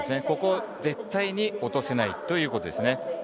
ここは絶対に落とせないということです。